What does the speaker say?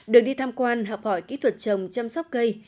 được đi tham quan học hỏi kỹ thuật trồng chăm sóc cây